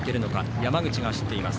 山口が走っています。